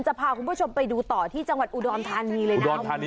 จะพาคุณผู้ชมไปดูต่อที่จังหวัดอุดรธานีเลยนะ